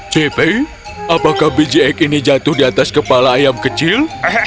cp apakah biji ek ini jatuh di atas kepala ayam kecil